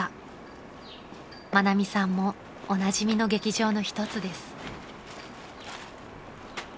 ［愛美さんもおなじみの劇場の一つです］